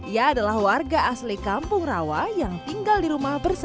ia adalah warga asli kampung rawa yang tinggal di rumah bersama